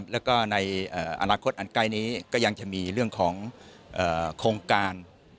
แล้วก็ในอนาคตอันใกล้นี้ก็ยังจะมีเรื่องของโครงการ